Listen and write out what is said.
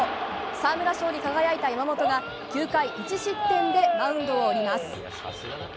沢村賞に輝いた山本が９回１失点でマウンドを降ります。